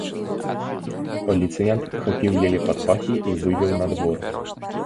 Паліцыянт хапіў яе пад пахі і вывеў на двор.